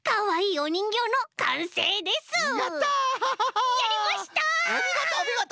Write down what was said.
おみごとおみごと！